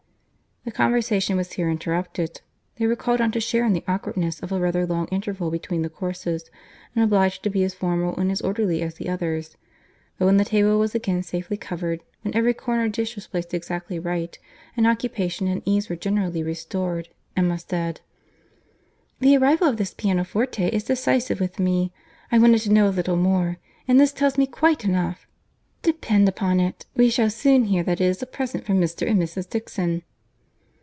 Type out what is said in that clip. The conversation was here interrupted. They were called on to share in the awkwardness of a rather long interval between the courses, and obliged to be as formal and as orderly as the others; but when the table was again safely covered, when every corner dish was placed exactly right, and occupation and ease were generally restored, Emma said, "The arrival of this pianoforte is decisive with me. I wanted to know a little more, and this tells me quite enough. Depend upon it, we shall soon hear that it is a present from Mr. and Mrs. Dixon."